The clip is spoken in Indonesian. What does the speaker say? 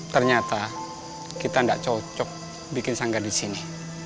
ternyata kita gak cocok bikin sanggar disini